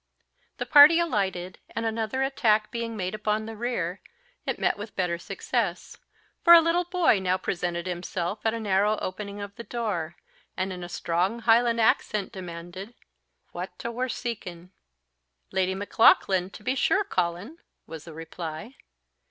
The party alighted, and another attack being made upon the rear, it met with better success; for a little boy now presented himself at a narrow opening of the door, and in a strong Highland accent demanded "wha ta war seekin'?" "Lady Maclaughlan, to be sure, Colin," was the reply.